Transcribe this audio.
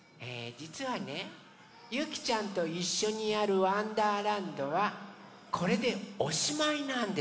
じつはねゆきちゃんといっしょにやる「わんだーらんど」はこれでおしまいなんですよ。